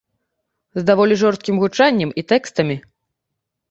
З даволі жорсткім гучаннем і тэкстамі.